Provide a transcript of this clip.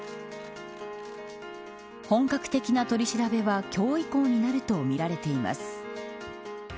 本格的な取り調べは今日以降になるとみられています。